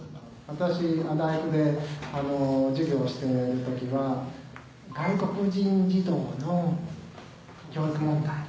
私が大学で授業をしてる時は外国人児童の教育問題。